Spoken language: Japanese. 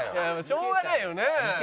しょうがないよね。